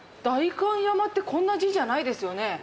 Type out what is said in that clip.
「だいかんやま」ってこんな字じゃないですよね？